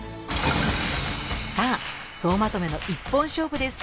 さあ総まとめの１本勝負です。